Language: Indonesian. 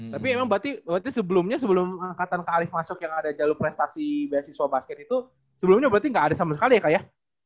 tapi emang berarti sebelumnya sebelum angkatan kak arif masuk yang ada jalur prestasi beasiswa basket itu sebelumnya berarti nggak ada sama sekali ya kak ya